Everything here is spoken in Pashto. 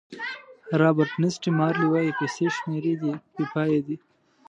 رابرټ نیسټه مارلې وایي پیسې شمېرې دي بې پایه دي.